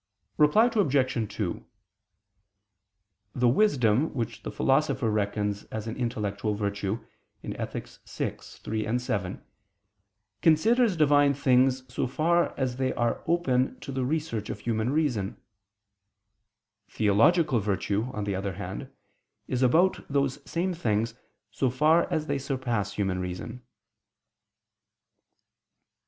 Reply Obj. 2: The wisdom which the Philosopher (Ethic. vi, 3, 7) reckons as an intellectual virtue, considers Divine things so far as they are open to the research of human reason. Theological virtue, on the other hand, is about those same things so far as they surpass human reason.